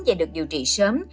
và được điều trị sớm